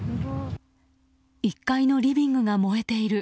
１階のリビングが燃えている。